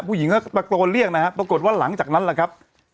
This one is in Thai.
ผู้หญิงก็ตะโกนเรียกนะฮะปรากฏว่าหลังจากนั้นแหละครับ